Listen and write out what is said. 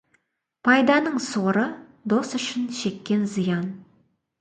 Пайданың соры — дос үшін шеккен зиян.